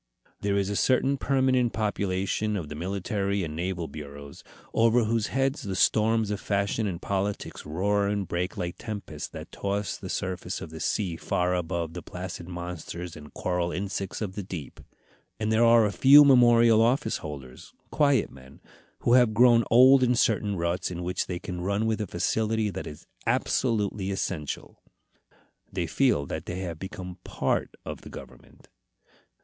There is a certain permanent population of the military and naval bureaus, over whose heads the storms of fashion and politics roar and break like tempests that toss the surface of the sea far above the placid monsters and coral insects of the deep. And there are a few memorial office holders quiet men, who have grown old in certain ruts in which they can run with a facility that is absolutely essential. They feel that they have become part of the government.